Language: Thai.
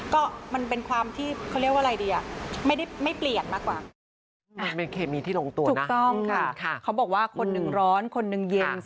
ก็มันเป็นความที่เขาเรียกว่าอะไรดี